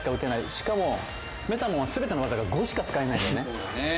しかもメタモンはすべてのわざが５しか使えないんだよね。